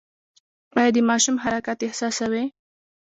ایا د ماشوم حرکت احساسوئ؟